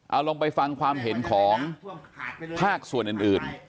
เอาลองไปฟังความเห็นของภาคส่วนอื่น